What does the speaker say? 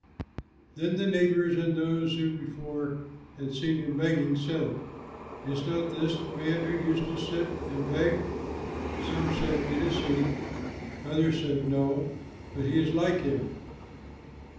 Then the neighbors and those who before had seen him begging said, "Is not this the man who used to sit and beg?" Some said, "It is he." Others said, "No, but he is like him."